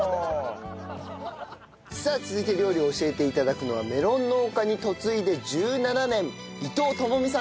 さあ続いて料理を教えて頂くのはメロン農家に嫁いで１７年伊藤智美さんです。